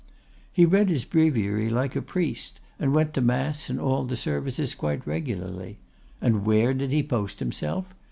"'He read his breviary like a priest, and went to mass and all the services quite regularly. And where did he post himself?